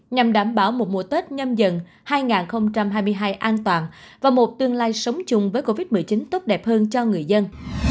nhằm đảm bảo một mùa tết nhâm dần hai nghìn hai mươi hai an toàn và một tương lai sống chung với covid một mươi chín tốt đẹp hơn cho người dân